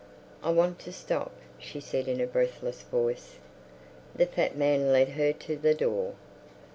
"I want to stop," she said in a breathless voice. The fat man led her to the door.